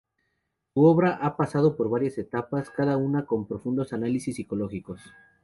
Su obra ha pasado por varias etapas, cada una con profundos análisis psicológicos.